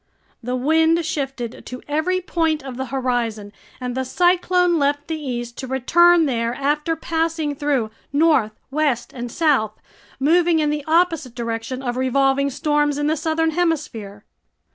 The wind shifted to every point of the horizon, and the cyclone left the east to return there after passing through north, west, and south, moving in the opposite direction of revolving storms in the southern hemisphere.